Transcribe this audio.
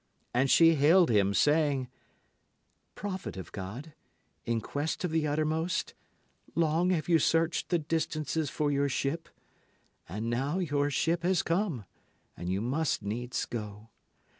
And she hailed him, saying: Prophet of God, in quest of the uttermost, long have you searched the distances for your ship. And now your ship has come, and you must needs go.